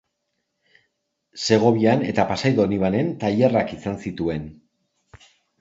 Segovian eta Pasai Donibanen tailerrak izan zituen.